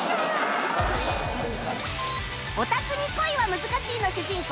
『ヲタクに恋は難しい』の主人公